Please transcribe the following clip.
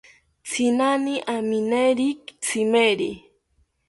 Tzinani amineri tzimeri